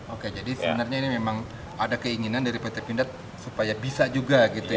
oke jadi sebenarnya ini memang ada keinginan dari pt pindad supaya bisa juga gitu ya